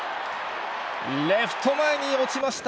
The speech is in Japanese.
レフト前に落ちました。